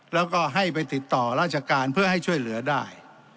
แล้วก็ให้ไปติดต่อราชการเพื่อให้ช่วยเหลือได้